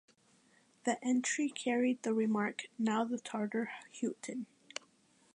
The entry carried the remark "Now the Tartar Houghton".